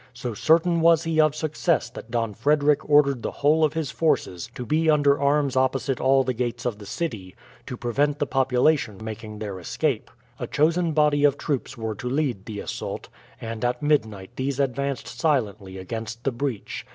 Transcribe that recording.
So certain was he of success that Don Frederick ordered the whole of his forces to be under arms opposite all the gates of the city, to prevent the population making their escape. A chosen body of troops were to lead the assault, and at midnight these advanced silently against the breach.